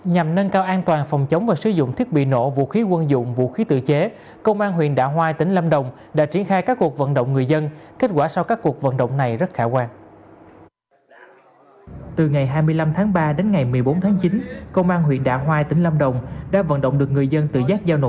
nhằm nâng cao an toàn phòng chống và sử dụng thiết bị nổ vũ khí tự chế công an huyện đạ hoai tỉnh lâm đồng đã triển khai các cuộc vận động người dân kết quả sau các cuộc vận động người dân